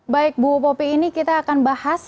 baik bu popi ini kita akan bahas